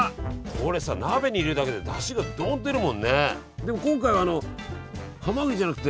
これさ鍋に入れるだけでだしがどんと出るもんね。